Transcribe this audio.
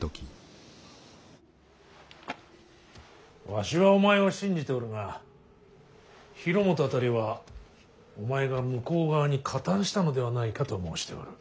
わしはお前を信じておるが広元辺りはお前が向こう側に加担したのではないかと申しておる。